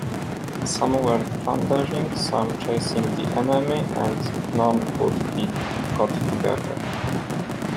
Some were plundering, some chasing the enemy, and none could be got together.